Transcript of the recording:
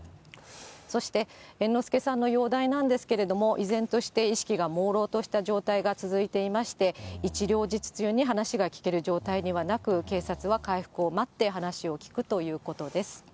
そして猿之助さんの容体なんですけれども、依然として意識がもうろうとした状態が続いていまして、一両日中に話が聞ける状態にはなく、警察は回復を待って話を聞くということです。